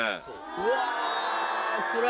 うわ。